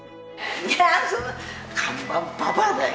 いやそんな看板ババアだよ。